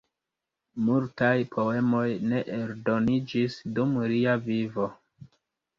Multaj poemoj ne eldoniĝis dum lia vivo.